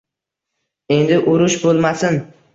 Endi urush bo`lmasin